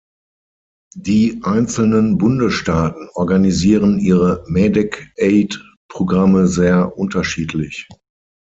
Die einzelnen Bundesstaaten organisieren ihre Medicaid-Programme sehr unterschiedlich.